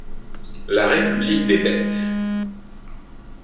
La république des bêtes